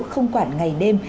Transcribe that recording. không quản ngày đêm